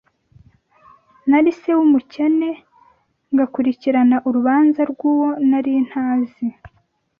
Nari se w’umukene: Ngakurikirana urubanza rw’uwo nari ntazi.